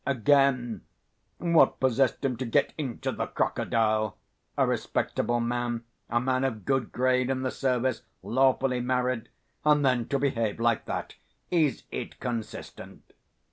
Again, what possessed him to get into the crocodile? A respectable man, a man of good grade in the service, lawfully married and then to behave like that! Is it consistent?"